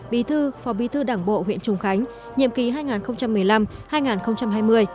bí thư phó bí thư đảng bộ huyện trùng khánh nhiệm ký hai nghìn một mươi năm hai nghìn hai mươi